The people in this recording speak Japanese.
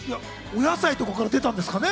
お野菜とかから出たんですかね？